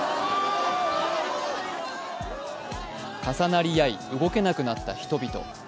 重なり合い、動けなくなった人々。